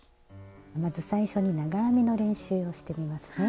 まず最初に長編みの練習をしてみますね。